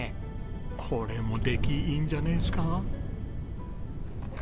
これも出来いいんじゃないですか？